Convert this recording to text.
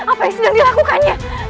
apa yang sedang dilakukannya